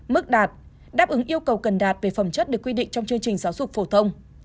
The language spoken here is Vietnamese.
mức đạt đáp ứng yêu cầu cần đạt về phẩm chất được quy định trong chương trình giáo dục phổ thông